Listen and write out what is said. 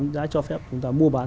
giá cho phép chúng ta mua bán